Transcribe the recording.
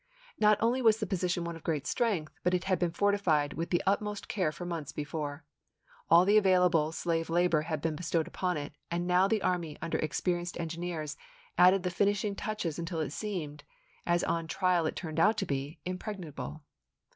Not only was the position one of great strength, but it had been fortified with the utmost care for months before. All the available slave labor had been bestowed upon it, and now the army under experienced engineers added the finishing touches until it seemed, as on trial it turned out to be, impregnable.